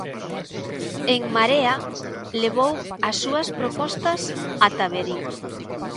En Marea levou as súas propostas ata Verín.